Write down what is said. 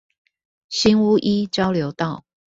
新屋一交流道